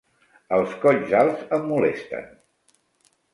Els colls alts em molesten.